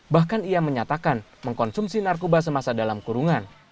bahkan ia menyatakan mengkonsumsi narkoba semasa dalam kurungan